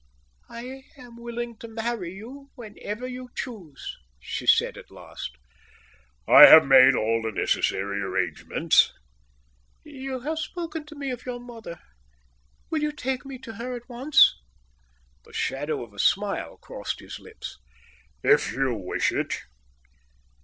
"I am willing to marry you whenever you choose," she said at last. "I have made all the necessary arrangements." "You have spoken to me of your mother. Will you take me to her at once." The shadow of a smile crossed his lips. "If you wish it."